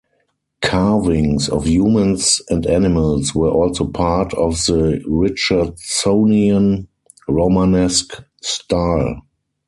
Carvings of humans and animals were also part of the Richardsonian Romanesque style.